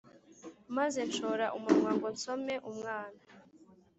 Maze nshora umunwa ngo nsome umwana